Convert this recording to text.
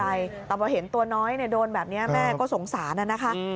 ถึงไม่เป็นอะไรแล้วแต่เห็นตัวน้อยเนี่ยโดนแบบนี้แม่ก็สงสานอะนะคะ